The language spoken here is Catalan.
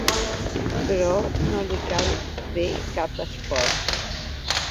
Però no li cal fer cap esforç.